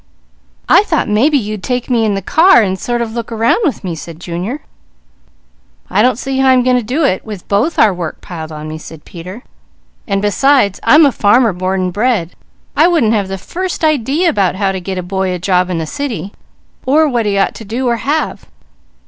"I thought maybe you'd take me in the car and sort of look around with me," said Junior. "I don't see how I am going to do it, with both our work piled on me," said Peter. "And besides, I'm a farmer born and bred; I wouldn't have the first idea about how to get a boy a job in the city or what he ought to do or have.